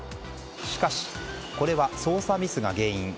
しかし、これは操作ミスが原因。